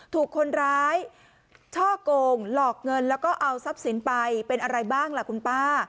ถูกคนร้ายช่อกงหลอกเงินแล้วก็เอาทรัพย์สินไปเป็นอะไรบ้างล่ะคุณป้า